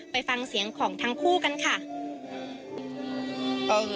ไปฟังเสียงของทั้งคู่กันค่ะ